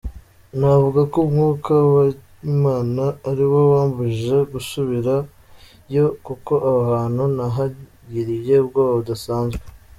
Navuga ko umwuka w’Imana ariwo wambujije gusubirayo kuko aho hantu nahagiriye ubwoba abudasanzwe.